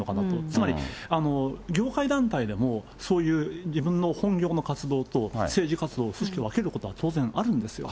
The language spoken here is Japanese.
つまり、業界団体でも、そういう自分の本業の活動と政治活動を、組織を分けることは当然あるんですよ。